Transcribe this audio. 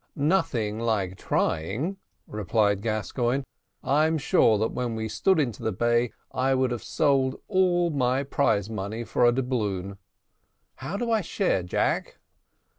"Nothing like trying," replied Gascoigne; "I'm sure when we stood into the bay I would have sold all my prize money for a doubloon. How do I share, Jack?"